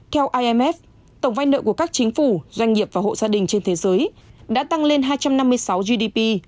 theo imf tổng vai nợ của các chính phủ doanh nghiệp và hộ gia đình trên thế giới đã tăng lên hai trăm năm mươi sáu gdp